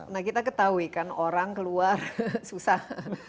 nah kita ketahui kan orang keluar susah